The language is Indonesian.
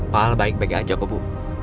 pak al baik baik aja bu